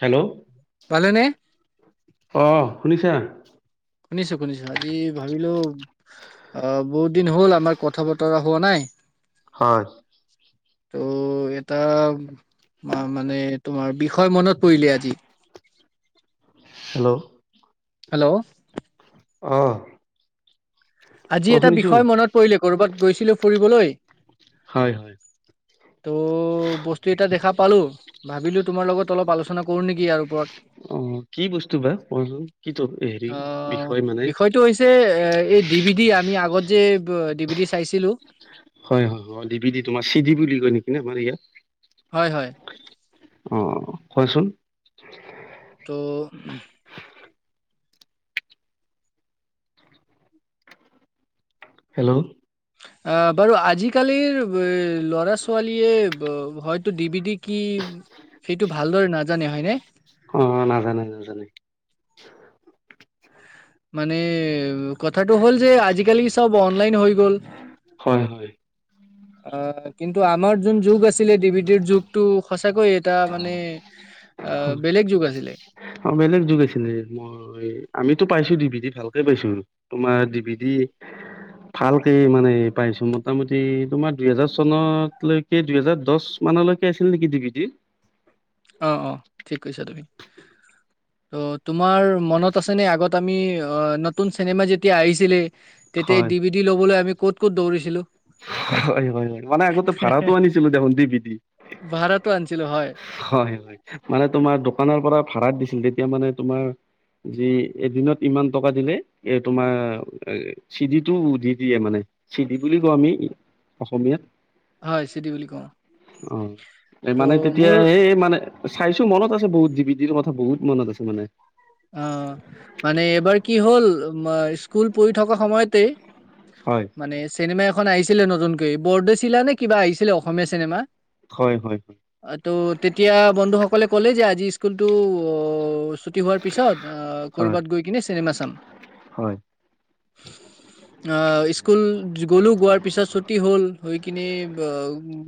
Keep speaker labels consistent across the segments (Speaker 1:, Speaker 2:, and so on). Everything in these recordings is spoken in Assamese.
Speaker 1: হেল্ল'
Speaker 2: পালেনে?
Speaker 1: অ শুনিছা।
Speaker 2: শুনিছোঁ শুনিছোঁ আজি ভাবিলো। অ বহুত দিন হ'ল আমাৰ কথা বতৰা হোৱা নাই।
Speaker 1: হয়।
Speaker 2: ত' এটা। মই মানে তোমাৰ বিষয় মনত পৰিলে আজি।
Speaker 1: হেল্ল'।
Speaker 2: হেল্ল'।
Speaker 1: অঁ।
Speaker 2: আজি এটা বিষয় মনত পৰিলে কৰ'বাত গৈছিলো ফুৰিবলৈ।
Speaker 1: হয় হয়।
Speaker 2: ত' বস্তু এটা দেখা পালোঁ ভাবিলোঁ তোমাৰ লগত অলপ আলোচনা কৰোঁ নেকি ইয়াৰ ওপৰত।
Speaker 1: অ কি বস্তু বা কোৱাচোন কি হেৰি
Speaker 2: আহ
Speaker 1: বিষয় মানে।
Speaker 2: বিষয়টো হৈছে এ এই ডি বিডি আমি আগত যে ডি বিডি চাইছিলোঁ।
Speaker 1: হয় হয় হয় দপি দি তোমাৰ চিধি বুলি ক নেকি ন আমাৰ ইয়াত।
Speaker 2: হয় হয়।
Speaker 1: অ কোৱাচোন।
Speaker 2: ত।
Speaker 1: হেল্ল'।
Speaker 2: আহ বাৰু আজিকালিৰ ল'ৰা ছোৱালীয়ে হয়তো ডি বি ডি কি? সেইটো ভালদৰে নাজানে হয়নে।
Speaker 1: অ নাজানে নাজানে।
Speaker 2: মানে কথাটো হ'ল যে আজিকালি চব অনলাইন হৈ গ'ল।
Speaker 1: হয় হয়।
Speaker 2: অ কিন্তু আমাৰ যোন যুগ আছিলে ডি বিটিৰ যুগ। টো সঁচাকৈয়ে এটা মানে অ
Speaker 1: হয়
Speaker 2: বেলেগ যুগ আছিলে।
Speaker 1: অ বেলেগ যুগ আছিলে মোৰ। আমিতো পাইছো ডিভিদি ভালকে পাইছো আৰু তোমাৰ ডিভিদি। ভালকে মানে পাইছো মোটামুটি তোমাৰ দুইহেজাৰ চনত লৈক। সেই দুহেজাৰ দহ মানলৈকে আছিল নেকি দিভিদি।
Speaker 2: অ অ ঠিক কৈছা তুমি। ত' তোমাৰ মনত আছে নে আগত আমি নতুন চিনেমা যেতিয়া আহিছিলে। তেতিয়া
Speaker 1: হয়
Speaker 2: ডি বি ডি ল'বলৈ আমি ক'ত ক'ত দৌৰিছিলো।
Speaker 1: হয় হয় হয় মানে আগতে ভাড়াটো আনিছিলো দেখোন দিভিদি।
Speaker 2: ভাড়াটো আনিছিলোঁ হয়,
Speaker 1: হয় হয় মানে তোমাৰ দোকানৰ পৰা ভাড়াত দিছিল তেতিয়া মানে তোমাৰ। যি এদিনত ইমান টকা দিলে এ তোমাৰ চিডি টো দি দিয়ে মানে। চিডি বুলি কওঁ আমি অসমীয়াত।
Speaker 2: হয়, চিডি বুলি কওঁ।
Speaker 1: অ এই মানে
Speaker 2: ত'
Speaker 1: তেতিয়া
Speaker 2: মোৰ
Speaker 1: সেই মানে। চাইছো মনত আছে বহুত ডিভিদিৰ কথা বহুত মনত আছে মানে।
Speaker 2: অ মানে এবাৰ কি হ'ল স্কুল পঢ়ি থকা সময়তে।
Speaker 1: হয়
Speaker 2: মানে চিনেমা এখন আহিছিলে নতুনকৈ বৰদৈচিলা নে কিবা আহিছিলে অসমীয়া চিনেমা।
Speaker 1: হয় হয় হয়।
Speaker 2: ত তেতিয়া বন্ধুসকলে ক'লে যে আজি স্কুলটো ছুটি হোৱাৰ পিছত আ
Speaker 1: হয়
Speaker 2: কৰ'বাত গৈ কিনে চিনেমা চাম।
Speaker 1: হয়
Speaker 2: আহ স্কুল গলো যোৱাৰ পিছত ছুটি হ'ল গৈ কিনে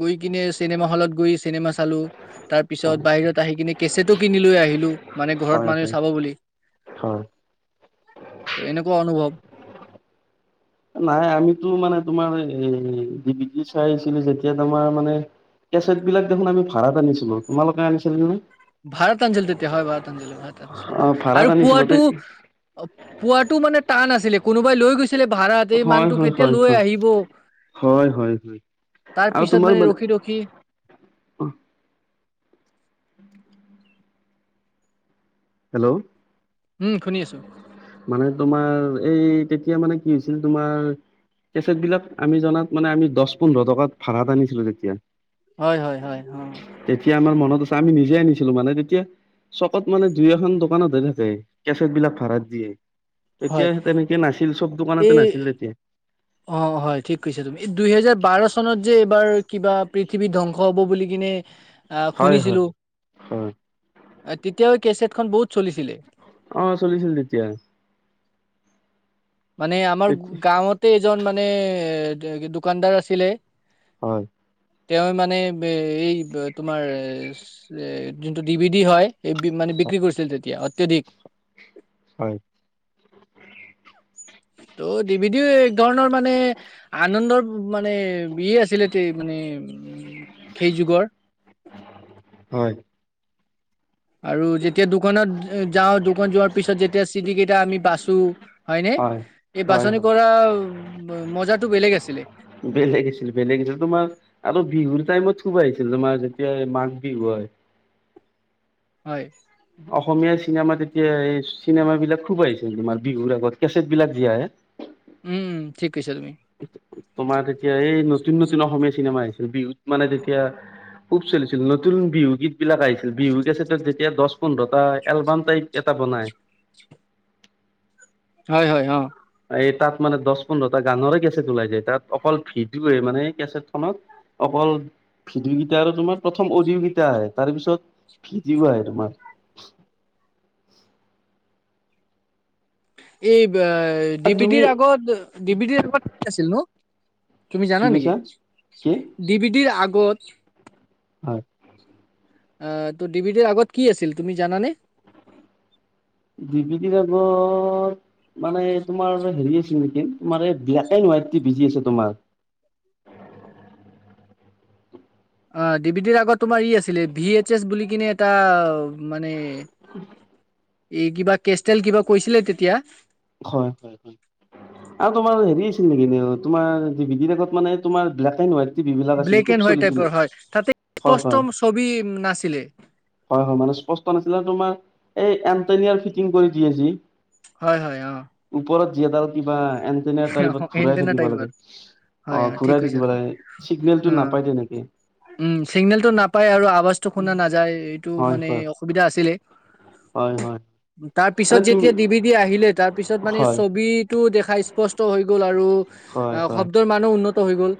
Speaker 2: গৈ কিনে চিনেমা হলত গৈ চিনেমা চালো। তাৰপিছত বাহিৰত আহি কিনে কেচেটো কিনি লৈ আহিলো মানে ঘৰত
Speaker 1: হয়
Speaker 2: মানুহ
Speaker 1: হয়
Speaker 2: চাব বুলি,
Speaker 1: হয়
Speaker 2: ত এনেকুৱা অনুভৱ।
Speaker 1: নাই আমিতো মানে তোমাৰ এ ডি বিটি চাইছিলো যেতিয়া তোমাৰ মানে কেচেট বিলাক দেখোন আমি আনিছিলো। তোমালোকে আনিছিলা নে?
Speaker 2: ভাৰাত আনিছিল তেতিয়া হয় ভাৰাত আনিছিল ভাৰাত আনিছিল
Speaker 1: অ
Speaker 2: হয়।
Speaker 1: ভাড়াত
Speaker 2: আৰু
Speaker 1: আনিছিলো তে
Speaker 2: পোৱাটো পোৱাটো মানে টান আছিলে কোনোবাই গৈছিলে ভাড়াত। এই
Speaker 1: হয়
Speaker 2: মানুহটো
Speaker 1: হয়
Speaker 2: কেতিয়া
Speaker 1: হয়
Speaker 2: লৈ
Speaker 1: হয়
Speaker 2: আহিব
Speaker 1: হয় হয় হয় আৰু
Speaker 2: তাৰপিছত
Speaker 1: তোমাৰ
Speaker 2: মানে ৰখি ৰখি
Speaker 1: হেল্ল'!
Speaker 2: উম শুনি আছো।
Speaker 1: মানে তোমাৰ এই তেতিয়া মানে কি হৈছিল তোমাৰ কেচেট বিলাক আমি জনাত মানে আমি দহ পোন্ধৰ টকাত ভাড়াত আনিছিলো তেতিয়া।
Speaker 2: হয় হয় হয় অঁ
Speaker 1: তেতিয়া আমাৰ মনত আছে আমি আনিছিলো মানে তেতিয়া চকত মানে দুই এখন দোকানত হে থাকে কেচেট বিলাক ভাড়াত দিয়ে।
Speaker 2: হয়
Speaker 1: তেতিয়া তেনেকে নাছিল চব দোকানতে
Speaker 2: এই
Speaker 1: নাছিল তেতিয়া।
Speaker 2: অ হয় ঠিক কৈছা তুমি। এই দুইহেজাৰ বাৰ চনত যে এইবাৰ কিবা পৃথিৱী ধ্বংস হব বুলি কিনে আহ
Speaker 1: হয় হয়
Speaker 2: শুনিছিলো,
Speaker 1: হয়।
Speaker 2: তেতিয়াও কেচেটখন বহুত চলিছিলে।
Speaker 1: অঁ চলিছিল তেতিয়া।
Speaker 2: মানে আমাৰ
Speaker 1: তেতি
Speaker 2: গাঁৱতে এজন মানে এ দোকানদাৰ আছিলে।
Speaker 1: হয়।
Speaker 2: তেওঁ মানে এই তোমাৰ এ যোনটো ডিভিদি হয় এই বি মানে বিক্ৰী কৰিছিল তেতিয়া অত্যাধিক।
Speaker 1: হয়।
Speaker 2: ত' ডিভিদিও এক ধৰণৰ মানে আনন্দৰ মানে ইয়ে আছিলে তে মানে সেই যুগৰ।
Speaker 1: হয়।
Speaker 2: আৰু যেতিয়া দোকানত যাওঁ দোকান যোৱাৰ পিছত যেতিয়া চিডি কেইটা আমি বাছো। হয় নে এই
Speaker 1: হয়
Speaker 2: বাছনি
Speaker 1: হয়
Speaker 2: কৰা মজাতো বেলেগ আছিলে।
Speaker 1: বেলেগ আছিল বেলেগ আছিল তোমাৰ আৰু বিহুৰ টাইমত খুব আহিছিল তোমাৰ যেতিয়া মাঘ বিহু হয়
Speaker 2: হয়
Speaker 1: অসমীয়া চিনেমাত তেতিয়া এই চিনেমা বিলাক খুব আহিছিল তোমাৰ বিহুৰ আগত কেচেট বিলাক যে আহে।
Speaker 2: উম উম, ঠিক কৈছা তুমি।
Speaker 1: তোমাৰ তেতিয়া এই নতুন নতুন অসমীয়া চিনেমা আহিছিল বিহু ত মানে তেতিয়া খুব চলিছিল নতুন বিহুগীত বিলাক আহিছিল বিহু কেচেটত যেতিয়া দহ পোন্ধৰটা এলবাম টাইপ এটা বনাই।
Speaker 2: হয় হয় অঁ।
Speaker 1: এই তাত মানে দহ পোন্ধৰটা গানৰে কেচেট ওলাই যায় তাত অকল ভিডিঅ মানে কেচেট খনত অকল ভিডিঅ' কেইটা আৰু তোমাৰ প্ৰথম অডিঅ' কেইটা আহে তাৰপিছত ভিডিঅ আহে তোমাৰ।
Speaker 2: এই ব আ
Speaker 1: তুমি
Speaker 2: ডিভিডিৰ আগত ডিভিডিৰ আগত কি আছিল নো? তুমি
Speaker 1: কি
Speaker 2: জানা নেকি
Speaker 1: কৈছা কি
Speaker 2: ডিভিডিৰ আগত।
Speaker 1: হয়।
Speaker 2: অ' ত' ডিভিডিৰ আগত আছিল তুমি জানানে?
Speaker 1: ডিভিডিৰ আগত। মানে তোমাৰ হেৰি আছিল নেকি তোমাৰ এই ব্লেক এণ্ড হোৱাইট টিভি যে আছে তোমাৰ।
Speaker 2: [inaudible] অ ডিভিডিৰ আগত তোমাৰ ই আছিলে ভি এইচ এচ বুলি কিনে এটা মানে
Speaker 1: [inaudible]
Speaker 2: এই কিবা কেষ্টেল কিবা কৈছিলে তেতিয়া।
Speaker 1: হয়। আৰু তোমাৰ হেৰি আছিল নেকি তোমাৰ ডিভিডিৰ আগত মানে তোমাৰ ব্লেক এণ্ড হোৱাইট। টিভি বিলাক আছিল
Speaker 2: ব্লেক
Speaker 1: খুব
Speaker 2: এণ্ড হোৱাইট
Speaker 1: চলিছিলে
Speaker 2: টাইপৰ হয় তাতে
Speaker 1: হয়
Speaker 2: স্পষ্ট
Speaker 1: হয়
Speaker 2: ছবি নাছিলে।
Speaker 1: হয়, হয় মানে স্পষ্ট নাছিলে তোমাৰ এই এনটনিয়াৰ ফিটিং কৰি দিয়ে যি।
Speaker 2: হয়, হয় অ'।
Speaker 1: ওপৰত যিডাল কিবা এনটেনা টাইপত ঘূৰাই
Speaker 2: এণ্টেনা
Speaker 1: থাকিব
Speaker 2: টাইপৰ
Speaker 1: লাগে।
Speaker 2: হয়
Speaker 1: অ
Speaker 2: অ ঠিক
Speaker 1: ঘূৰাই
Speaker 2: কৈছা
Speaker 1: থাকিব
Speaker 2: তুমি
Speaker 1: লাগে
Speaker 2: অ
Speaker 1: চিগনেলটো নাপায় তেনেকে।
Speaker 2: উম চিগনেলটো নাপায় আৰু আৱাজটো শুনা নাযায় এইটো
Speaker 1: হয়
Speaker 2: মানে
Speaker 1: হয়
Speaker 2: অসুবিধা আছিলে।
Speaker 1: হয় হয়
Speaker 2: তাৰ পিছত
Speaker 1: এনে তুমি
Speaker 2: যেতিয়া ডিভিডি আহিলে তাৰ পিছত মানে
Speaker 1: হয়
Speaker 2: ছবিটো দেখাই স্পষ্ট হৈ গ'ল আৰু
Speaker 1: হয় হয়
Speaker 2: শব্দৰ মানো উন্নত হৈ গ'ল।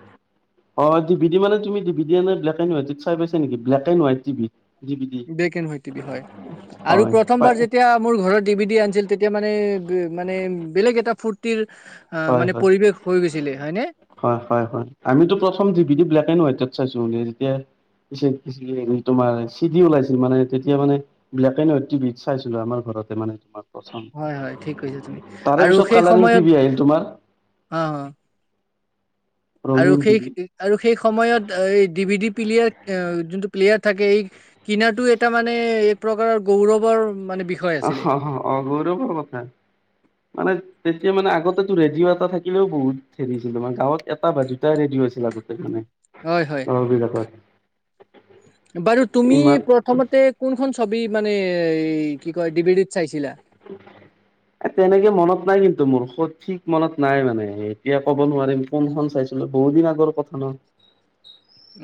Speaker 1: অ' ডিভিডি মানে তুমি ব্লেক এণ্ড হোৱাইটত চাই পাইছা নেকি ব্লেক এণ্ড হোৱাইট টিভিত।
Speaker 2: ব্লেক এণ্ড হোৱাইট টিভি হয় আৰু
Speaker 1: হয় পাই
Speaker 2: প্ৰথমবাৰ যেতিয়া মোৰ ঘৰত ডিভিডি আনিছিল। তেতিয়া মানে, মানে বেলেগ এটা ফূৰ্তিৰ অ'
Speaker 1: হয়
Speaker 2: মানে
Speaker 1: হয়
Speaker 2: পৰিৱেশ হৈ গৈছিলে হয়নে?
Speaker 1: হয়, হয়, হয় আমিতো প্ৰথম ডিভিডি ব্লেক এণ্ড হোৱাইটত চাইছো [unintelligible] তেতিয়া। পিছে [unintelligible] তোমাৰ চিডি ওলাইছিল মানে তেতিয়া মানে। ব্লেক এণ্ড হোৱাইত টিভিত চাইছিলো আমাৰ ঘৰতে মানে তোমাৰ। প্ৰথম
Speaker 2: হয় হয় ঠিক কৈছা তুমি
Speaker 1: তাৰে
Speaker 2: আৰু
Speaker 1: পিছত
Speaker 2: সেই
Speaker 1: কালাৰিং
Speaker 2: সময়ত
Speaker 1: টিভি আহিল। তোমাৰ
Speaker 2: অ', অ'। আৰু
Speaker 1: ৰঙীন
Speaker 2: সেই
Speaker 1: টিভি
Speaker 2: আৰু সেই সময়ত এই ডিভিডি প্লিয়াৰ যোনটো প্লেয়াৰ থাকে এই কিনাতো এটা মানে এক প্ৰকাৰৰ গৌৰৱৰ মানে বিষ
Speaker 1: অ', অ' গৌৰৱৰ কথা। মানে তেতিয়া মানে আগতেটো ৰেডিঅ' এটা থাকিলেও বহুত হেৰি হৈছিল মানে গাঁৱত। এটা বা দুটাই ৰেডিঅ আছিল আগতে মানে।
Speaker 2: হয়, হয়।
Speaker 1: [unintelligible]
Speaker 2: বাৰু তুমি
Speaker 1: ইমান
Speaker 2: প্ৰথমতে কোনখন ছবি মানে কি কয় ডিভিডিত চাইছিলা?
Speaker 1: [inaudible] এ তেনেকে মনত নাই কিন্তু মোৰ সঠিক মনত নাই মানে এতিয়া ক'ব নোৱাৰিম। কোনখন চাইছিলো বহুত দিন আগৰ কথা নহ।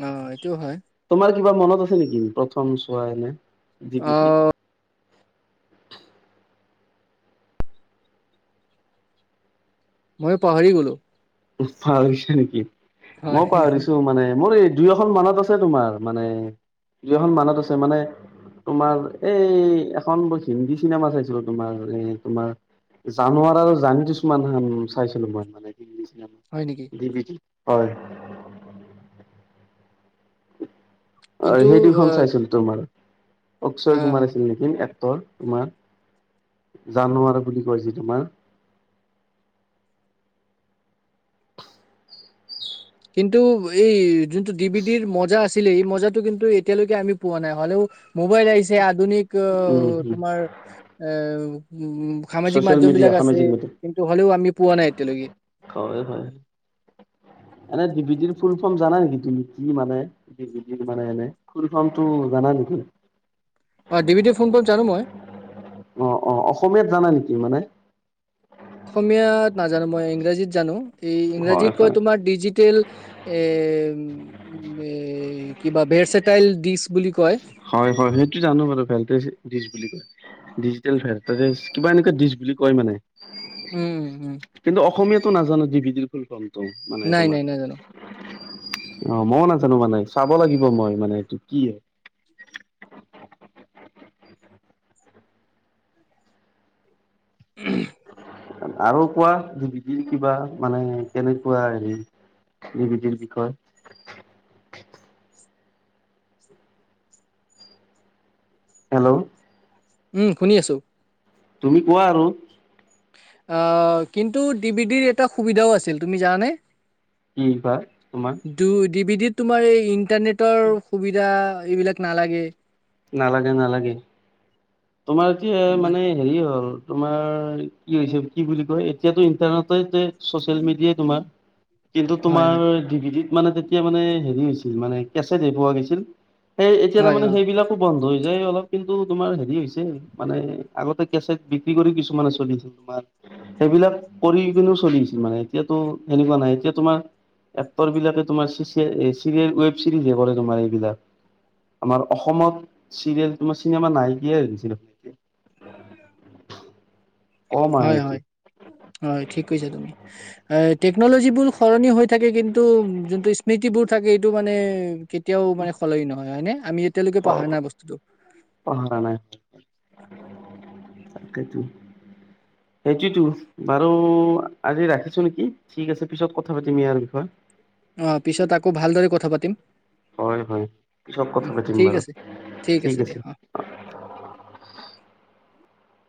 Speaker 2: অ' এইটো হয়।
Speaker 1: তোমাৰ কিবা মনত আছে নেকি প্ৰথম চোৱা এনে
Speaker 2: অ
Speaker 1: ডিভিডি।
Speaker 2: মই পাহৰি গ'লোঁ।
Speaker 1: পাহৰিছোঁ নেকি
Speaker 2: হয়
Speaker 1: মই পাহৰিছোঁ মানে মোৰ এই দুই এখন মনত আছে তোমাৰ মানে দুই এখন মানত আছে মানে। তোমাৰ এই এখন মই হিন্দী চিনেমা চাইছিলো তোমাৰ এ তোমাৰ জানোৱাৰ আৰু জানি দুচমান খন চাইছিলো মই মানে।
Speaker 2: হয় নেকি?
Speaker 1: ডি ভি ডিত হয়। অ'
Speaker 2: কিন্তু
Speaker 1: সেই দুখন
Speaker 2: অ
Speaker 1: চাইছিলো তোমাৰ অক্ষয় কুমাৰ
Speaker 2: অ',
Speaker 1: আছিল নেকি? মেইন এক্টৰ তোমাৰ জানুৱাৰ বুলি কয় যে তোমাৰ।
Speaker 2: কিন্তু এই যোনটো ডি বি ডিৰ মজা আছিলে, এই মজাটো কিন্তু এতিয়ালৈকে আমি পোৱা নাই হলেও। মোবাইল আহিছে আধুনিক
Speaker 1: উম হম
Speaker 2: তোমাৰ এ উ। সামাজিক
Speaker 1: ছচিয়েল
Speaker 2: মাধ্যম
Speaker 1: মিডিয়া
Speaker 2: বিলাক আছে
Speaker 1: সামাজিক মিডিয়া
Speaker 2: কিন্তু হ'লেও আমি পোৱা নাই এতিয়ালৈকে।
Speaker 1: হয়- হয় এনে ডি ভি ডিৰ ফুল ফৰ্ম জানা নেকি তুমি কি মানে? ডি ভি ডিৰ মানে এনে ফুল ফ্ৰমটো জানা নেকি?
Speaker 2: অ ডি ভি ডিৰ ফুল ফ্ৰম জানো মই।
Speaker 1: অ' অ' অসমীয়াত জানা নেকি মানে?
Speaker 2: অসমীয়াত নাজানো মই ইংৰাজীত জানো এই
Speaker 1: হয়
Speaker 2: ইংৰাজীতকৈ
Speaker 1: হয়
Speaker 2: তোমাৰ। ডিজিটেল এ' এ কিবা ভেৰচেটাইল ডিচ বুলি কয়।
Speaker 1: হয় -হয় সেইটো জানো বাৰু ভেলটেজ ডিচ বুলি কয়। ডিজিটেল ভেৰচেটাইল কিবা এনেকুৱা ডিছ বুলি কয় মানে।
Speaker 2: উম, উম,
Speaker 1: কিন্তু অসমীয়াটো নাজানো ডিভিটিৰ ফুল ফৰ্মটো মানে
Speaker 2: নাই নাই নাজানো
Speaker 1: তোমাৰ। অ' মইও নাজানো মানে চাব লাগিব মই মানে এইটো কি হয়।
Speaker 2: উম।
Speaker 1: আৰু কোৱা ডি ভি ডিৰ কেনেকুৱা হেৰি। ডি ভি ডিৰ বিষয়। হেল্ল'।
Speaker 2: উম শুনি আছোঁ।
Speaker 1: তুমি কোৱা আৰু?
Speaker 2: কিন্তু ডি বি ডিৰ এটা সুবিধাও আছিল তুমি জানানে?
Speaker 1: কিবা বা তোমাৰ?
Speaker 2: ডি ভি ডিত তোমাৰ এই ইণ্টাৰনেটৰ সুবিধা এইবিলাক নালাগে।
Speaker 1: নালাগে -নালাগে তোমাৰ কি
Speaker 2: আমাৰ
Speaker 1: মানে। হেৰি হ'ল তোমাৰ কি হৈছে কি বুলি কয় এতিয়াতো ইণ্টাৰনেট যে ছচিয়েল মিডিয়াই তোমাৰ।
Speaker 2: [inaudible]
Speaker 1: কিন্তু
Speaker 2: হয়
Speaker 1: তোমাৰ
Speaker 2: হয়
Speaker 1: ডি ভি ডিত মানে তেতিয়া মানে হেৰি হৈছিল মানে কেচট হে পোৱা গৈছিল। সেই
Speaker 2: হয়
Speaker 1: এতিয়া
Speaker 2: অ
Speaker 1: সেইবিলাকো হৈ যায় অলপ কিন্তু তোমাৰ হেৰি হৈছে। মানে আগতে কেছেট বিক্ৰী কৰি কিছুমানে চলিছিল তোমাৰ সেইবিলাক কৰি কিনিও চলি আছিল মানে এতিয়াতো সেনেকুৱা নাই এতিয়া তোমাৰ এক্টৰ বিলাকে তোমাৰ ছিৰিয়েল ৱেব চিৰিজ কৰে তোমাৰ এইবিলাক। আমাৰ অসমত চিৰিয়েল তোমাৰ চিনেমা নাই কিয়াই হৈছে দেখোন তোমাৰ। কম আহে
Speaker 2: হয়-
Speaker 1: এতিয়া
Speaker 2: হয় -হয় ঠিক কৈছা তুমি টেকনলজিবোৰ সলনি হৈ। থাকে কিন্তু যোনটো স্মৃতিবোৰ থাকে এইটো মানে কেতিয়াও মানে সলনি নহয় হয়নে আমি এতিলৈকে পাহৰা নাই বস্তুটো।
Speaker 1: পাহৰা নাই তাকেইতো। সেইটোৱেই টো। বাৰু আজি ৰাখিছো নেকি ঠিক আছে পিছত কথা পাতিম ইয়াৰ বিষয়ে।
Speaker 2: অ' পিছত আকৌ ভালদৰে কথা পাতিম।
Speaker 1: হয় হয় পিছত কথা
Speaker 2: উম
Speaker 1: পাতিম
Speaker 2: ঠিক
Speaker 1: বাৰু
Speaker 2: আছে ঠিক আছে দিয়া অ'